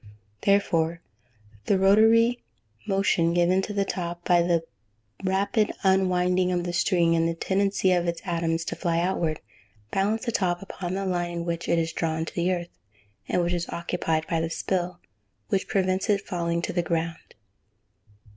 Therefore the rotatory motion given to the top, by the rapid unwinding of the string, and the tendency of its atoms to fly outward, balance the top upon the line in which it is drawn to the earth, and which is occupied by the spill, which prevents it falling to the ground.